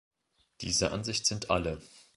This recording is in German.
Dieser Ansicht sind alle.